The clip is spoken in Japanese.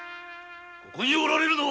ここにおられるは。